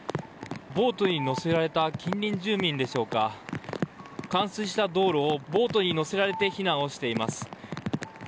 ボートに乗せられた近隣住民でしょうか冠水した道路をボートに乗せられて避難をしています。